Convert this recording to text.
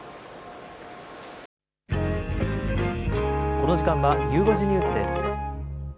この時間はゆう５時ニュースです。